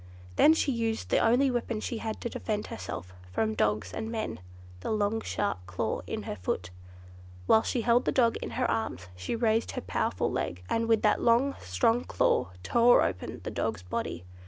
Then she used the only weapon she had to defend herself from dogs and men—the long sharp claw in her foot. Whilst she held the dog in her arms, she raised her powerful leg, and with that long, strong claw, tore open the dog's body.